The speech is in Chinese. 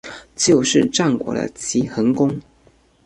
就是战国的齐桓公。